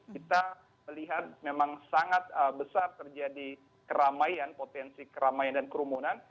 kita melihat memang sangat besar terjadi keramaian potensi keramaian dan kerumunan